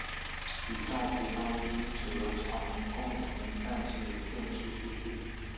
与丈夫张英哲常共同撰写电视剧剧本。